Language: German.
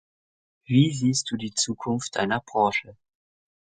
Wie siehst Du die Zukunft deiner Branche?